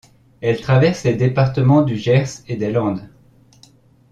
Elle traverse les départements du Gers et des Landes.